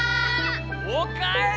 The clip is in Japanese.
おかえり！